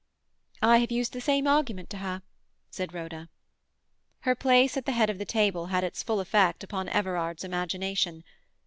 "I have used the same argument to her," said Rhoda. Her place at the head of the table had its full effect upon Everard's imagination.